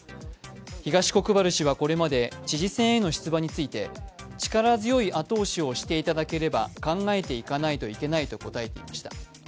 東国原氏はこれまで知事選への出馬について力強い後押しをしていただければ考えていかないといけないと答えていました。